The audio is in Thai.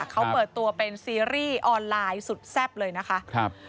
เขาเปิดตัวเป็นซีรีส์ออนไลน์สุดแซ่บเลยนะคะ